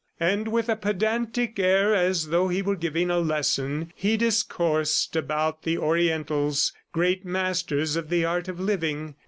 And with a pedantic air as though he were giving a lesson, he discoursed about the Orientals, great masters of the art of living.